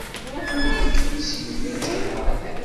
Am akken i s-yenna ğeḥḥa.